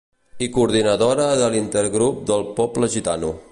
I coordinadora de l'intergrup del poble gitano.